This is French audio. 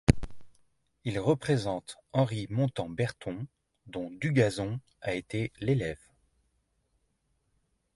Il représente Henri Montan Berton dont Dugazon a été l’élève.